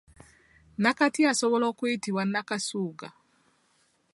Nakati asobola okuyitibwa Nnakasugga.